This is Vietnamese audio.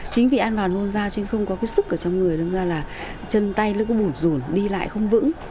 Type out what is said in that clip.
chính vì ăn vào nôn da chứ không có cái sức ở trong người nên ra là chân tay nó cứ bụt rùn đi lại không vững